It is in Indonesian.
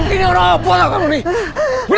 ini orang apa tau kamu ini